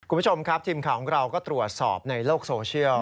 คุณผู้ชมครับทีมข่าวของเราก็ตรวจสอบในโลกโซเชียล